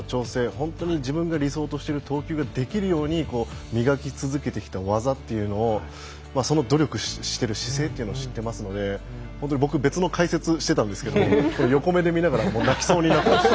本当に自分が理想としてる投球ができるように磨き続けてきた技というのを努力している姿勢を知っていますので僕、別の解説していたんですが横目で見ながら泣きそうになっていました。